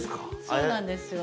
そうなんですよ。